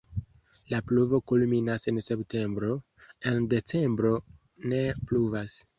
La pluvo kulminas en septembro, en decembro ne pluvas.